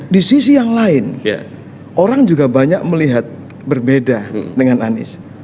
di sisi yang lain orang juga banyak melihat berbeda dengan anies